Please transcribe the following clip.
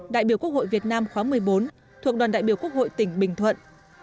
đại biểu quốc hội việt nam khóa một mươi bốn thuộc đoàn đại biểu quốc hội tỉnh bình thuận